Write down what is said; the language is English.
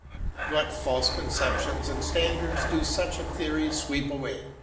What false conceptions and standards do such a theory sweep away